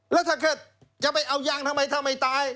แล้วถ้าเกิดจะไปเอายางทำไมถ้าไม่ตาย